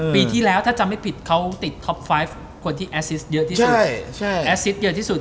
ปีที่แล้วถ้าจะไม่ผิดเขาติดท็อป๕คนที่แอซิสเยอะที่สุด